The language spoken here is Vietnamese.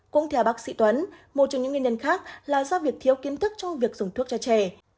cũng theo bác sĩ tuấn một trong những nguyên nhân khác là do việc thiếu kiến thức trong việc dùng thuốc cho trẻ